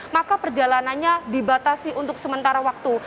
maka perjalanannya dibatasi untuk sementara waktu